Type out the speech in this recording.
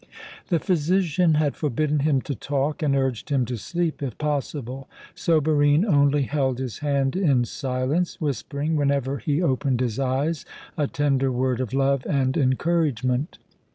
The physician had forbidden him to talk, and urged him to sleep if possible. So Barine only held his hand in silence, whispering, whenever he opened his eyes, a tender word of love and encouragement.